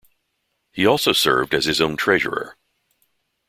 He also served as his own Treasurer.